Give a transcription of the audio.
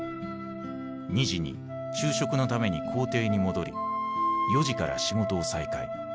２時に昼食のために公邸に戻り４時から仕事を再開。